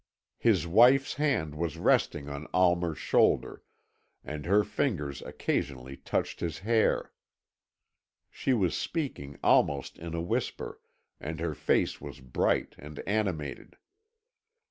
His wife's hand was resting on Almer's shoulder, and her fingers occasionally touched his hair. She was speaking almost in a whisper, and her face was bright and animated.